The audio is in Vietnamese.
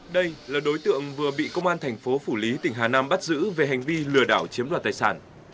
đây là đối tượng vừa bị công an thành phố phủ lý tỉnh hà nam bắt giữ về hành vi lừa đảo chiếm đoạt tài sản